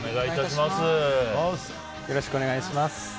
よろしくお願いします。